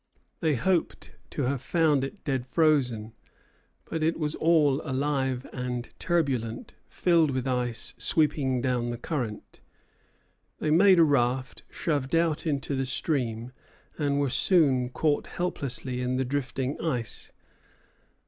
They hoped to have found it dead frozen; but it was all alive and turbulent, filled with ice sweeping down the current. They made a raft, shoved out into the stream, and were soon caught helplessly in the drifting ice.